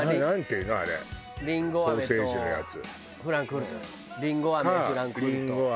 りんご飴フランクフルトアメリカン。